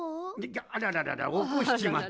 あららららおこしちまったな。